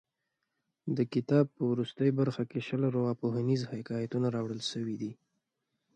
د کتاب په وروستۍ برخه کې شل ارواپوهنیز حکایتونه راوړل شوي دي.